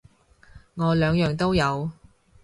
我兩樣都有